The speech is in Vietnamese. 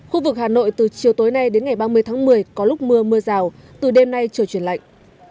khu vực hà nội từ chiều tối nay đến ngày ba mươi tháng một mươi có lúc mưa mưa rào từ đêm nay trời chuyển lạnh